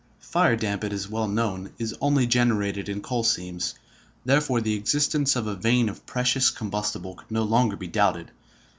Firedamp, it is well known, is only generated in coal seams; therefore the existence of a vein of precious combustible could no longer be doubted.